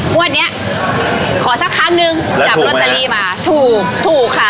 งวดเนี้ยขอสักครั้งหนึ่งจับรถตาลีมาถูกถูกค่ะ